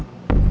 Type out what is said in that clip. terima kasih bu